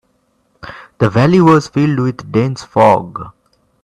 The valley was filled with dense fog.